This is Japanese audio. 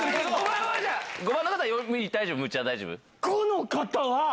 ５の方は。